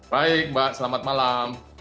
baik mbak selamat malam